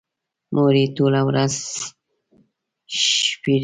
مور یې ټوله ورځ ښېرې کوي.